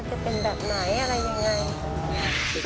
พี่หนึ่งเคล็ดลับในความเหมือนจริงของมันอย่างนี้